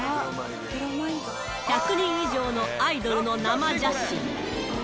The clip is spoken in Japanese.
１００人以上のアイドルの生写真。